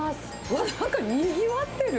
あっ、なんかにぎわってる？